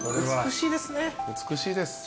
美しいですね。